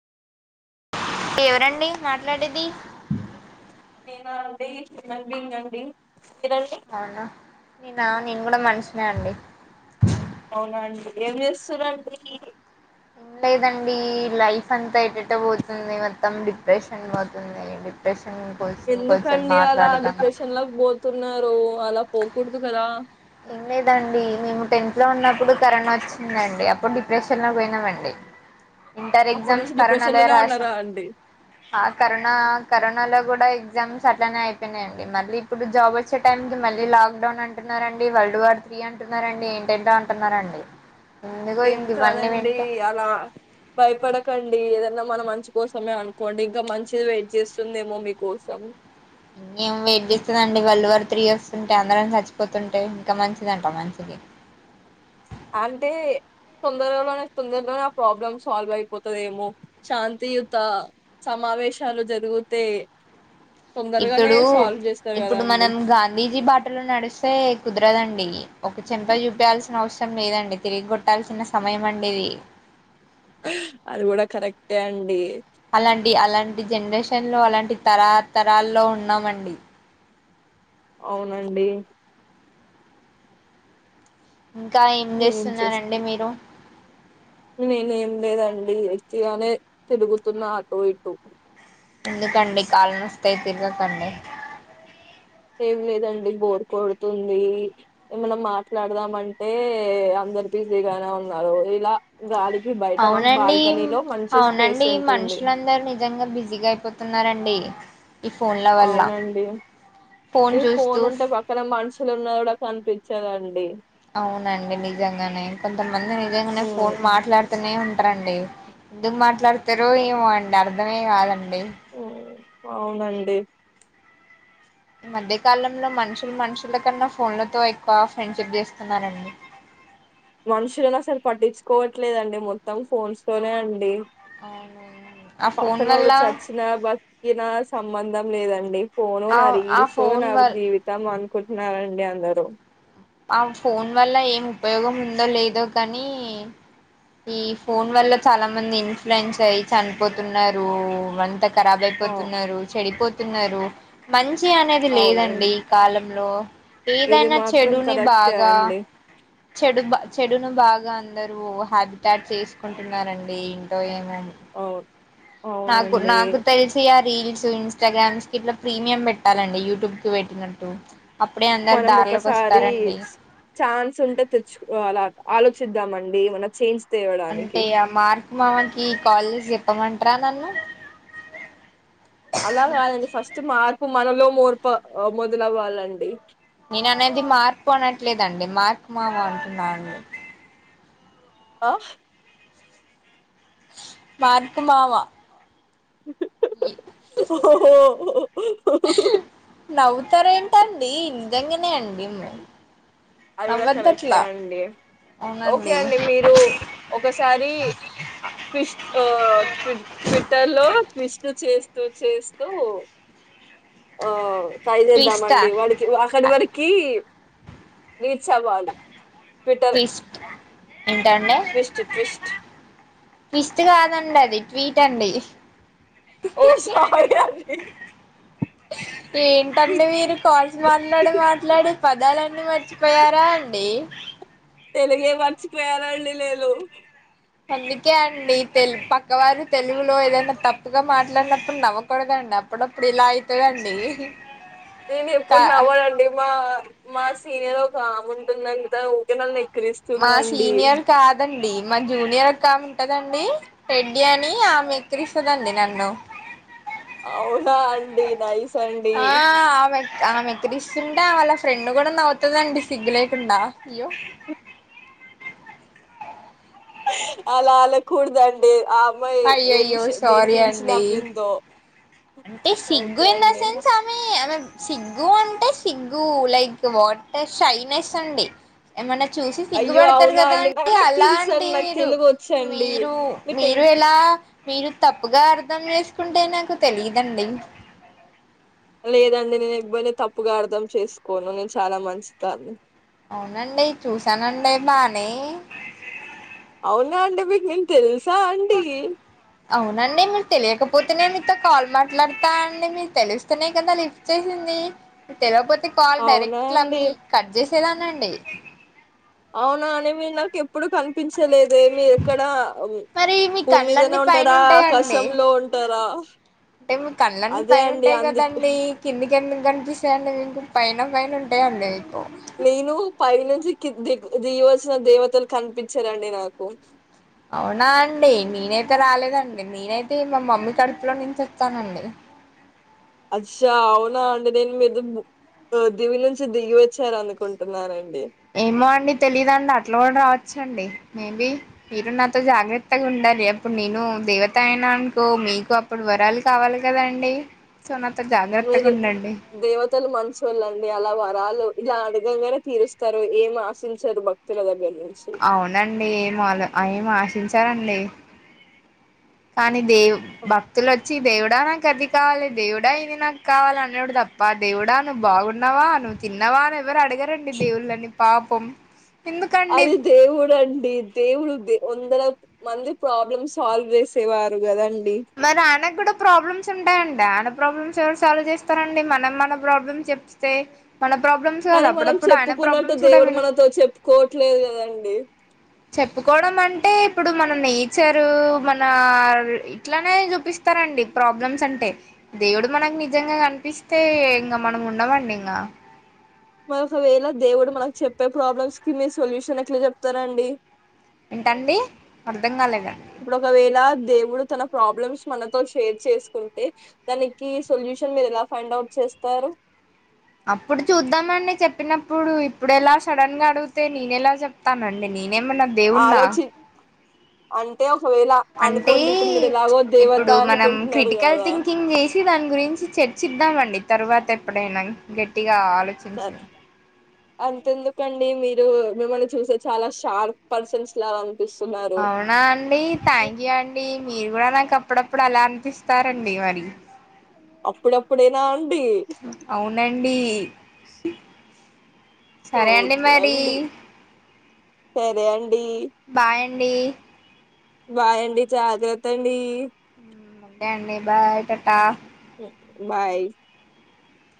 ఎవరండి మాట్లాడేది ఏనా అడి నీ నడి అవునా నేనా నేను కూడా మనిషిన అండి అవునండి ఏం చేస్తున్నారుండి లేదండి లైఫ్ అంతా ఎటట పోతుంది మొత్తం డిప్రెషన్ పోతుంది డిప్రెషన్ కోసం కొంచెం ఎందుకండి అలా మాట్లాడదాం డిప్రెషన్ లోకి పోతున్నారు అలా పోకూడదు కదా ఏం లేదండి మేము టెన్త్ లో ఉన్నప్పుడు కరోనా వచ్చిందండి అప్పుడు డిప్రెషన్ లో పోయినామండి ఇంటర్ అప్పటి ఎగ్జామ్స్ నుంచి డిప్రెషన్ కరోనాలో లోనే రాసాం ఉన్నారా అండి ఆ కరోనా కరోనాలో కూడా ఎగ్జామ్స్ అలానే అయినాయియండి మళ్ళీ ఇప్పుడు జాబ్ వచ్చే టైంకి మళ్ళీ లాక్ డౌన్ అంటున్నారుారండి వరల్డ్ వార్ త్రీ అంటున్నారండి ఏంటేంటో అంటున్నారండి ఎందుకో ఏం ఇంక ఇవన్నీ కాదండి వింటే అలా భయపడకండి ఏద మనం మంచి కోసమే అనుకోండి ఇంకా మంచిది వెయిట్ చేస్తుందేమో మీకోసం ఇంేం వెయిట్ చేస్తుందండి బల్ళ వర త్రీ ఇస్తుంటే అందరం చచ్చిపోతుంటే ఇంకా మంచిదంట మంచిది అంటే తొందరలోనే తొందరలోనే ప్రాబ్లమ్ సాల్వ్ అయిపోతదేమో శాంతియుత సమావేశాలు జరుగుతే ఇప్పుడు కదా ఇప్పుడు అండి మనం గాంధీజీ బాటలు నడిస్తే కుదరదండి. ఒక చంప చూపియాల్సిన అవసరం లేదండి తిరిగి కొట్టాల్సిన సమయం అండి ఇది అది కూడా కరెక్టే అండి. అలాం డి అలాంటి జనరేషన్ లో అలాంటి తరతరాల్లో ఉన్నామండి అవునండి. ఇంకా ఏం చేస్తున్నారండి మీరు నేనేం లేదండి వుత్తిగానే తిరుగుతున్న ఆటో ఇటు ఎందుకండి కాల్ నొస్తాయ్ తిరుగకండి ఏం లేదండి బోర్ కొడుతుంది ఏమన మాట్లాడదామంటే అందరు బిజీగానే ఉన్నారు ఇలా గాలికి బయట మాకు అవునండి బాల్కనీలో మంచి స్పేస్ అవునండి ఉంటుంది మనుషులందరూ నిజంగా బిజీగా అయిపోతున్నారండి. ఈ ఫోన్ల వల్ల అవునండి ఈ ఫోన్ ఉంటే పక్కన మనుషులు న్న కూడా కనిపిచ్చరండి అవునండి నిజంగానే కొంతమంది నిజంగానే ఉమ్ ఫోన్ మాట్లాడ తనే ఉంటారండి ఎందుకు మాట్లాడు తారో ఏమో అండి అర్ దమే కాదం డి ఉమ్ అవునండి మధ్య కాలంలో మనుషులు మనుషుల కన్నా ఫోన్లతో ఎక్కువ ఫ్రెండ్షిప్ జేస్తున్నారండి. మనుషులను అసలు పట్టించుకోవట్లేదండి మొత్తం ఫోన్స్ తోనే అండి. అవును ఆ ఫోన్ పక్కనోడు వల్ల చచ్చినా బత్కినా సంబంధం లేదండి ఫోను ఆ నా ఆ రీల్స్ ఫోన్ నా వల్ జీవితం అ కుట్నారండి అందరూ ఆ ఫోన్ వల్ల ఏం ఉపయోగం ఉందో లేదో కానీ ఈ ఫోన్ వల్ల చాలా మంది ఇన్ఫ్లుయన్స్ అయ్యి చనిపోతున్నారు వంట క ఖరాబ్ ఆ అయిపోతున్నారు చెడిపోతున్నారు మం చి అనేది లేదండి అవునండి ఈ కాలం లో ఏదైనా చెడుని టే అండి చెడు బ చెడును బాగా అందరు హ్యాబిటాట్ చేసుకుంటున్నారండి ఇంటో ఏమో అవును నాకు అవునండి నాకు తెలిసి ఆ రీల్స్ ఇన్స్టాగ్రామ్స్ కి ఇట్లా ప్రీమియం పెట్టాలండి యూట్యూబ్ కి పెట్టినట్టు అప్పుడే అందరు మనం దారులోకొస్తారండి స్ ఉంటే తెచ్చుకోవాల ఆలోచిద్దాంమండి. మన చేంజ్ తేవడానికి అంటే ఆ మార్కు మామకి కాల్ జేసి చెప్పమం టరా నన్ను. అలా కాదండి ఫస్ట్ మార్పు మనలో మోర్పా ఆ మో దలవ్వాలండి. నేను అనేది మార్పు అనట్లేదండి మార్కు మామ అంటున్నాఅండి. ఆహ్ మార్కుమావా ఓహో ఓఓ తారు ఏంటండి నిజంగనే అండి. అది కూడా కరెక్టే నవ్వద్దట్లా అండి. ఓకే అవునండి అండి మీరు ఒకసారి ఆ ట్విస్ట్ ఆ ట్వి ట్విట్టర్ లో ట్విస్ట్ చేస్తూ చేస్తూ ఆ ట్రై చేేద్దాం ట్విస్టా అండి. వాడికి అక్కడి వరకి రీచ్ అవ్వాలి. Twitter tweets twist twist tweets కాదండి. అది ట్వీట్ అండి. ఓ స్వారీ అది ఏంటండి మీరు కాల్స్ మాట్లాడి మాట్లాడి పదాలన్నీ మర్చిపోయారా అండి. తెలుగే మర్చిపోయానండి నేను. అందుకే అండి తెలుగు పక్కవారు తెలుగులో ఏదైనా తప్పుగా మాట్లాడినప్పుడు నవ్వకూడదండి, అప్పుడప్పుడు ఇలా అయితదండి. నేను కా ఎప్పుడు నవ్వనండి మా మా సీనియర్ ఒక ఆమె ఉంటుంది అంతా ఊకే నన్ను ఎక్కి మా సీనియర్ కాదండి. మా జూనియర్ ఒకామే ఉంటదండి రెడ్డి అని ఆమే ఎక్కిరిస్తదండి నన్ను. అవునా అండి నైస్ అండి ఆ ఆమె ఆమె ఎక్కిరిస్తుంటే వాళ్ళ ఫ్రెండ్ కూడా నవ్వుతదండి సిగ్గు లేకుండా ఇయ్యో అలా అనకూడదండి. ఆ అమ్మాయి ఏ అయ్యయ్యో విషయం దేని సారీ గురించి అండి నవ్విందో అంటే సిగ్గు ఓకే ఇన్ ద అండి సెన్స్ ఆమే ఆమే సిగ్గు అంటే సిగ్గు లైక్ వాటర్ షైనెస్ అండి ఏమన్నా చూసి అయ్యో సిగ్గుపడతరు అవునా కదా నా అండి నాకు అలా తెలుసు అండి. నాకు మీరు తెలుగు వచ్చండి మీరు మీరు ఎలా మీరు తప్పుగా అర్ధం చేేసుకుంటే నాకు తెలిదండి లేదండి నేను ఎక్పోయి తప్పుగా అర్ధం చేసుకోను నేను చాలా మంచిదాన్ని అవునండి చూసానండి బానే అవునా అండ బక్ నింత తెల్ సా అంట అవునండి మీరు తెలియకపోతే నేను మీతో కాల్ మాట్లాడతా అండి మీరు తెలిస్తేనే కదా లిఫ్ట్ చేసింది మీ తెలియపోతే క కాల్ అవునా డైరెక్ట్ అండి మీ కట్ చేస్త చలానండి ఆవునానేవికి ఎప్పుడు కనిపించలేద మీరు ఎక్కడ మరి మీ భూమి మీదనే కళ్ళన్నీ పైన ఉంటారా ఉంటాయండి ఆకాశంలో ఉంటారా అంటే మీ కళ్ళన్నీ అదే పైన అండి అందుకే ే అండి మీకు పైన పైన ఉంటాయంండి మీకు నేను పై నుంచిి దిగ దియవలసిన దేవతలు కనిపించారండి నాకు అవునా అండి నేనైతే రాలేదండి నేనైతే మా మమ్మీ కడుపులో నుంచి వస్తానండి అచ్చా అవునా అంటడి నేను మీద దివి నుంచి దిగి వచ్చార అనుకుంటున్ననడి ఏమో అండి తెలీయదుండి అట్లా కూడా రావచ్చు నచ్చండి మేబీ మీరు నాతో జాగ్రత్తగా ఉండాలి అప్పుడు నేను దేవతా అయనానుకో మీకు అప్పుడు వరాలు కావాలి కదండి సో నా మీరు దేవతలు మనుషుళ్ళండి అలా వరాలు ఇలా అడగంగానే తీరుస్తారు ఏం ఆశించరు భక్తుల దగ్గర నుంచి అవునండి ఏం ఏం ఆశించ అండి భక్తులచ్చి దేవుడా నాకు అది కావాలి దేవుడా ఇది నాకు కావాలి అనుడు తప్ప దేవుడా నువ్వు బాగున్నావా నువ్వు తిన్నవా ఎవరు అడగరండి దేవుళ్ళని పాప పం అది దేవుడు అండి దేవుడు దే అందర మంది ప్రాబ్లమ్ సాల్వ్ చేసేవారు కదండి మరి ఆయనకి కూడా ప్రాబ్లమ్స్ ఉంటాయండి ఆయన ప్రాబ్లమ్స్ ఎవరు సాల్వ్ చేస్తారండి మనం మన ప్రాబ్లమ్స్ చెప్తే మన ప్రాబ్లమ్స్ కాదు కానీ మనం అప్పుడప్పుడు ఆయన చెప్పుకున్నట్టు ప్రాబ్లమ్స్ కూడా దేవుడు విన మనతో చెప్పుకోవట్లేదు కదండి చెప్పుకోవడం అంటే ఇప్పుడు మన నేచరు మన ఇట్లానే చూపిస్తారండి ప్రాబ్లమ్స్ అంటే దేవుడు మనకు నిజంగా కనిపిస్తే ఇంకా మనం ఉండమండి ఇంకా మరొకవేళ దేవుడు మనకు చెప్పే ప్రాబ్లమ్స్ కి మీరు సొల్యూషన్ ఎట్లా చెప్తారండి ఏంటండి అర్ధం కాలేద ఇప్పుడు ఒకవేళ దేవుడు తన ప్రాబ్లమ్స్ మనతో షేర్ చేసుకుంటే దానికి సొల్యూషన్ మీరు ఎలా ఫైండ్ అవుట్ చేస్తారు అప్పుడు చూద్దామండి చెప్పినప్పుడు ఇప్పుడు ఎలా సడన్ గా అడిగితే నేన ఎలా చెప్తానండి నేను నేనేమన్నా దేవుడినా ఆలోచి అంటే ఒక అంటే దేవత ఇప్పుడు మనం అనుకుంటున్నారు క్రిటికల్ కదా థింకింగ్ చేసి దాని గురించి చర్చిద్దామండి తర్వాత ఎప్పుడైనా గెట్టిగా ఆలోచించి అంత ఎందుకండి మీరు మిమ్మల్ని చూస్తే చాలా షార్ప్ పర్సన్స్ లా అవునా అండి థ్యాంక్ యూ అండి మీరు కూడా నా [unintelligible] అప్పుడప్పుడు అలా అనిపిస్తారండి మరి అప్పుడప్పుడేనా అవునండి సరే అండి మరి సరే అండ్ బాయ్ అండి బాయ్ అండి జాగ్రత్త అండి ఒకే అండి బాయ్ టాటా బాయ్